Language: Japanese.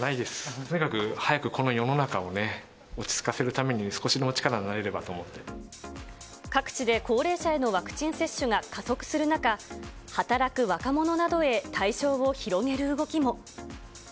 とにかく早くこの世の中を落ち着かせるために、少しでも力になれ各地で高齢者へのワクチン接種が加速する中、働く若者などへ対象を広げる動きも。